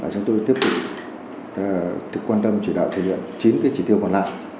chúng tôi tiếp tục quan tâm chỉ đạo thể hiện chín cái chỉ tiêu còn lại